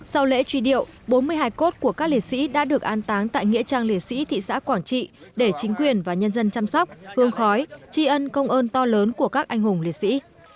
sau lễ truy điệu bốn mươi hai cốt của các liệt sĩ đã được an táng tại nghĩa trang liệt sĩ thị xã quảng trị để chính quyền và nhân dân chăm sóc hương khói tri ân công ơn to lớn của các anh hùng liệt sĩ